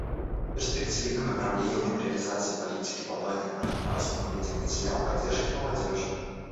Перспективным направлением в реализации политики глобальных партнерств мы видим и тему поддержки молодежи.